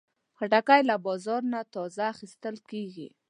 خټکی له بازار نه تازه اخیستل کېږي.